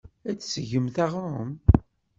Ad d-tesɣemt aɣrum.